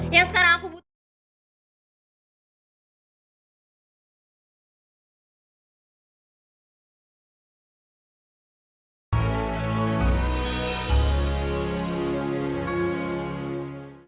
yang sekarang aku butuh